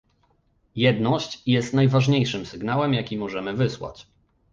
Jedność jest najważniejszym sygnałem, jaki możemy wysłać